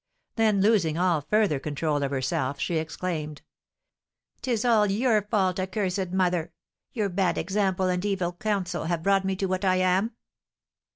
Then losing all further control of herself, she exclaimed, "'Tis all your fault, accursed mother! Your bad example and evil counsel have brought me to what I am!"